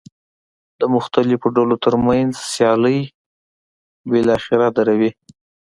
د مختلفو ډلو ترمنځ سیالۍ بالاخره دروي.